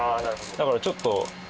だからちょっと。